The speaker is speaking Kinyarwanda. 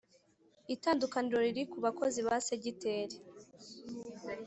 Itandukaniro riri ku Bakozi ba Segiteri.